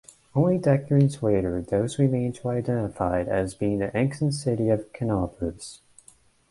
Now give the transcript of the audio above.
Only decades later those remains were identified as being the ancient city of Canopus.